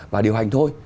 và điều hành thôi